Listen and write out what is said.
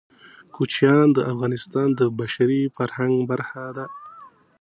کوچیان د افغانستان د بشري فرهنګ برخه ده.